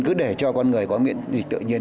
cứ để cho con người có miễn dịch tự nhiên